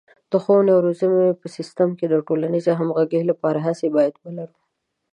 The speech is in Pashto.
د ښوونې او روزنې په سیستم کې د ټولنیزې همغږۍ لپاره هڅې باید ولرو.